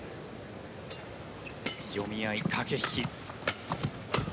読み合い、駆け引き。